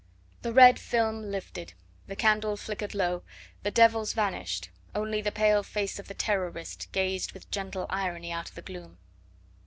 The red film lifted, the candle flickered low, the devils vanished, only the pale face of the Terrorist gazed with gentle irony out of the gloom.